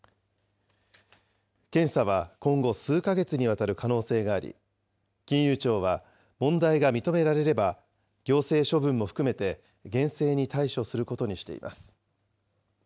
検査は今後数か月にわたる可能性があり、金融庁は、問題が認められれば、行政処分も含めて、厳正に対処することにしています。